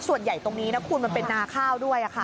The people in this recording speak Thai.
ส่วนใหญ่ตรงนี้นะคุณมันเป็นนาข้าวด้วย